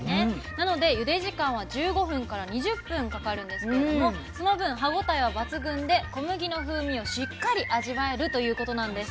なのでゆで時間は１５分から２０分かかるんですけれどもその分歯応えは抜群で小麦の風味をしっかり味わえるということなんです。